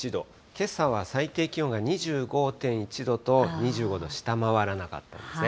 けさは最低気温が２５．１度と、２５度下回らなかったんですね。